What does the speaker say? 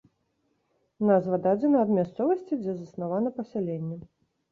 Назва дадзена ад мясцовасці, дзе заснавана пасяленне.